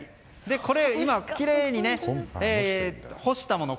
これ、今きれいに干したもの